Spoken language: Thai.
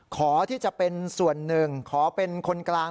ขอที่จะเป็นส่วนหนึ่งขอเป็นคนกลาง